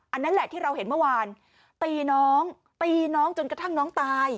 อันนั้นแหละที่เราเห็นเมื่อวานตีน้องตีน้องจนกระทั่งน้องตาย